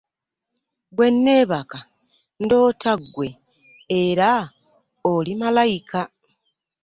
Bweneebaka ndoota gwe era oli malaika.